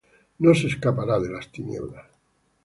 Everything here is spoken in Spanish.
No se escapará de las tinieblas: